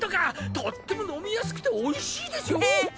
とっても飲みやすくておいしいですよ！